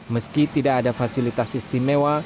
meski tidak ada fasilitas istimewa